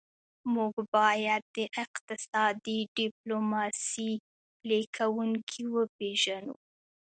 موږ باید د اقتصادي ډیپلوماسي پلي کوونکي وپېژنو